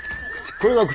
これが口？